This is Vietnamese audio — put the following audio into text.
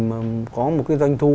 mà có một cái doanh thu